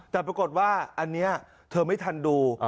แต่ปรากฏว่าอันนี้เธอไม่ทันดู